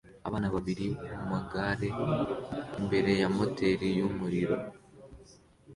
Abana babiri bari mumagare imbere ya moteri yumuriro